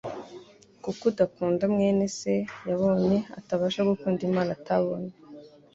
kuko udakunda mwene se yabonye, atabasha gukunda Imana atabonye."